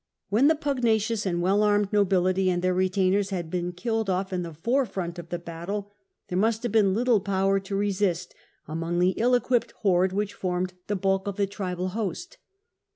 When the pugnacious and well armed nobility and their retainers had been killed off in the forefront of the battle, there must have been little power to resist among the ill equipped horde which formed the bulk of the tribal host.